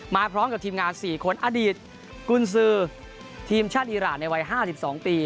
มาพร้อมกับทีมงาน๔คนอดีตกุญสือทีมชาติอีรานในวัย๕๒ปี